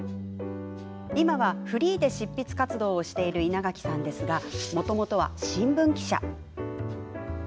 今はフリーで執筆活動をしている稲垣さんですがもともとは新聞記者。